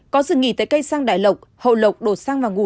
có dừng nghỉ tại cây sang đại lộc hậu lộc đột sang và ngủ